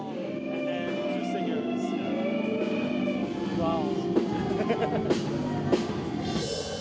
ワオ。